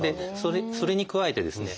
それに加えてですね